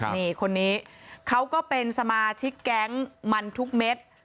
นี่คนนี้เขาก็เป็นสมาชิกแก๊งมันทุกเม็ด